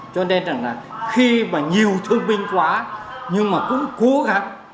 cho nên là khi mà nhiều thương binh quá nhưng mà cũng cố gắng